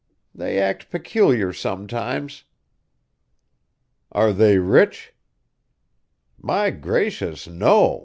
They act peculiar sometimes." "Are they rich?" "My gracious, no!"